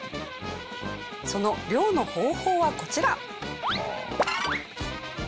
その漁の方法はこちら。